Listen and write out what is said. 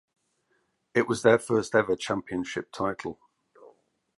It was their first ever championship title.